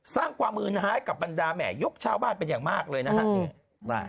สร้างความมือให้กับบรรดาแหม่ยกชาวบ้านเป็นอย่างมากเลยนะฮะ